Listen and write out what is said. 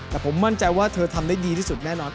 แต่ผมมั่นใจว่าเธอทำได้ดีที่สุดแน่นอน